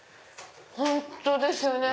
本当ですよね。